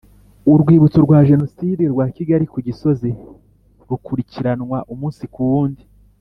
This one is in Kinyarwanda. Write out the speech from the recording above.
Urwibutso rwa Jenoside rwa Kigali ku Gisozi rukurikiranwa umunsi ku wundi